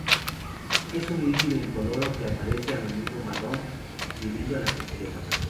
Es un líquido incoloro que aparece a menudo marrón debido a las impurezas.